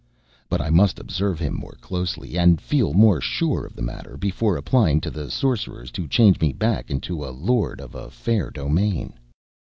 But I must observe him more closely, and feel more sure of the matter, before applying to the sorcerers to change me back into a lord of a fair domain."